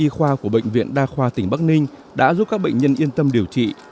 y khoa của bệnh viện đa khoa tỉnh bắc ninh đã giúp các bệnh nhân yên tâm điều trị